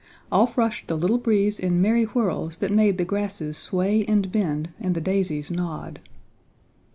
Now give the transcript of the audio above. Off rushed the Little Breeze in merry whirls that made the grasses sway and bend and the daisies nod.